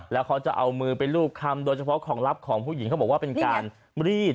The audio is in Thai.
แล้วเขาจะเอามือไปรูปคำโดยเฉพาะของลับของผู้หญิงเขาบอกว่าเป็นการรีด